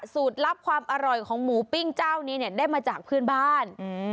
ลับความอร่อยของหมูปิ้งเจ้านี้เนี่ยได้มาจากเพื่อนบ้าน